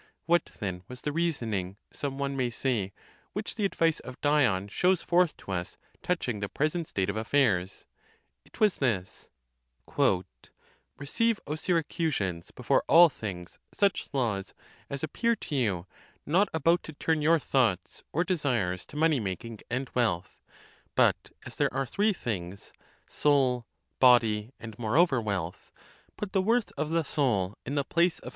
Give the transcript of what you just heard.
What then was the reasoning, some one may say, which the advice of Dion shows forth to us touching the pre sent state of affairs? It was this. "Receive, O Syracusans, before all things such laws, as appear to you not about to turn your thoughts or de sires to money making and wealth; but as there are three things, soul, body, and moreover wealth, put the worth® of the soul in the place of highest honour; that of the body 1 Ficinus has " abusi,"' as if his MS.